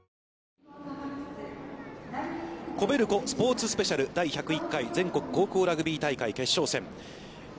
ＫＯＢＥＬＣＯスポーツスペシャル第１０１回全国高校ラグビー大会決勝戦。